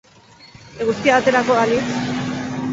Eguzkia aterako balitz!